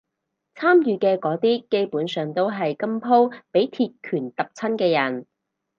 參與嘅嗰啲基本上都係今鋪畀鐵拳揼親嘅人